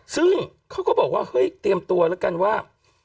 ซึ่งเขาก็บอกว่าเฮ้ยเตรียมตัวแล้วกันว่า